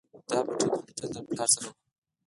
دا بتۍ به مې تل له پلار سره وه.